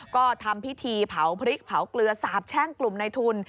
ก็ทำพิธีเผาพริกเผาเกลือสาบแช่งกลุ่มในทุน